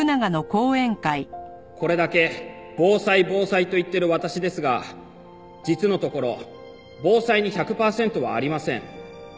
これだけ防災防災と言っている私ですが実のところ防災に１００パーセントはありません。